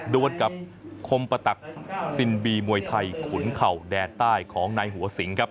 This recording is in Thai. โดนกับคมปะตักซินบีมวยไทยขุนเข่าแดนใต้ของนายหัวสิงครับ